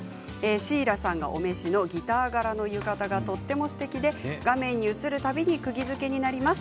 シーラさんのお召しのギター柄の浴衣がとてもすてきで画面に映るたびにくぎづけになります。